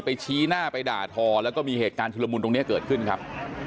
ชี้หน้าไปด่าทอแล้วก็มีเหตุการณ์ชุลมุนตรงนี้เกิดขึ้นครับ